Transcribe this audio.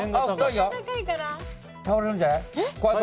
倒れるんじゃない？